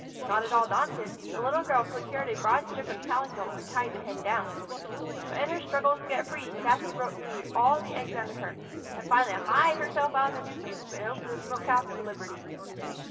Not at all daunted, the little girl procured a broad strip of calico and tied the hen down. But in her struggles to get free, Sassy broke nearly all of the eggs under her, and finally hied herself out of the new coop and over the smoke house to liberty.